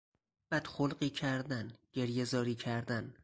بد خلقی کردن، گریهزاری کردن